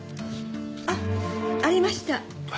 あっありました。